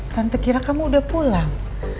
tante kira kamu udah pulang